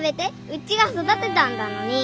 うちが育てたんだのに。